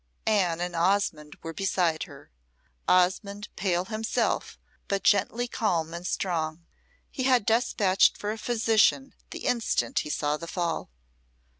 Anne and Osmonde were beside her. Osmonde pale himself, but gently calm and strong. He had despatched for a physician the instant he saw the fall.